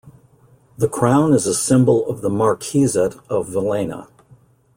The crown is a symbol of the marquisate of Villena.